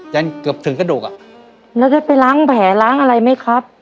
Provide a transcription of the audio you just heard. จนเกือบถึงกระดูกอ่ะแล้วได้ไปล้างแผลล้างอะไรไหมครับ